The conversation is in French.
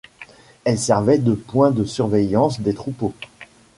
Elles servaient de point de surveillance des troupeaux.